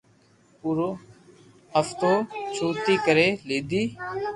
پورو حفتہ ڇوتي ڪري ليتو